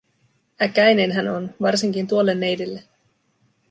Äkäinen hän on, varsinkin tuolle neidille.